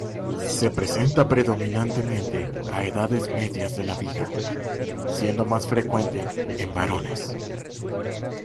Se presenta predominantemente a edades medias de la vida, siendo más frecuente en varones.